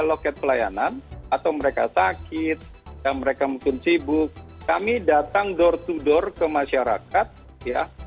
loket pelayanan atau mereka sakit mereka mungkin sibuk kami datang door to door ke masyarakat ya